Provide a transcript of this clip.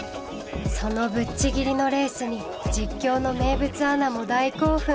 そのぶっちぎりのレースに実況の名物アナも大興奮！